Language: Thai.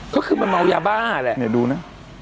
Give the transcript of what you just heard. ก็คือมันเมายาบ้าแหละเนี่ยดูนะ